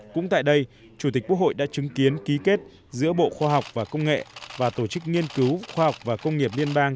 cũng tại đây chủ tịch quốc hội đã chứng kiến ký kết giữa bộ khoa học và công nghệ và tổ chức nghiên cứu khoa học và công nghiệp liên bang